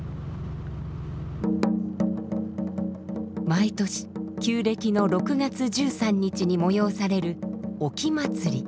毎年旧暦の６月１３日に催される「沖祭り」。